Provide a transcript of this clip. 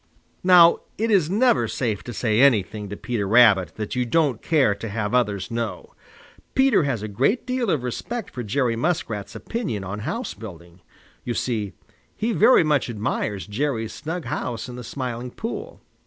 Now it is never safe to say anything to Peter Rabbit that you don't care to have others know. Peter has a great deal of respect for Jerry Muskrat's opinion on house building. You see, he very much admires Jerry's snug house in the Smiling Pool.